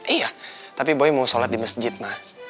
iya tapi boy mau salat di masjid mah